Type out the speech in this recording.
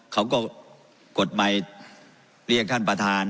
เขาก็กดไมค์เรียกท่านประธาน